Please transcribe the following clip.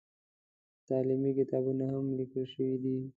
تعلیمي کتابونه هم لیکل شوي دي.